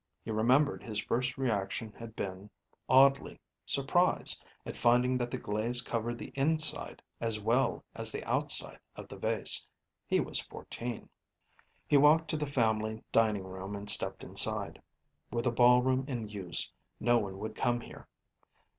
He remembered his first reaction had been, oddly, surprise at finding that the glaze covered the inside as well as the outside of the vase. He was fourteen. He walked to the family dining room and stepped inside. With the ballroom in use, no one would come here.